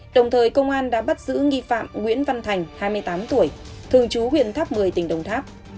đồng thời công an đã bắt giữ nghi phạm nguyễn văn thành hai mươi tám tuổi thường chú huyện tháp một mươi tỉnh đồng tháp